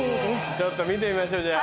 ちょっと見てみましょうじゃあ。